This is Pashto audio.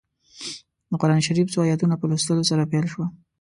د قران شریف څو ایتونو په لوستلو سره پیل شوه.